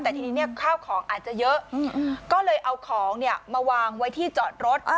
แต่ทีนี้ข้าวของอาจจะเยอะก็เลยเอาของมาวางไว้ที่จอดรถ